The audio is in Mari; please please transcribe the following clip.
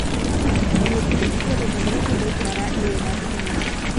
Электричестве революций деч вара лиедаш тӱҥале.